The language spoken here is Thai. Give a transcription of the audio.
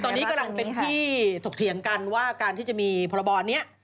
ตอนนี้กำลังเป็นที่ถกเถียงกันว่าการที่จะมีพรบนี้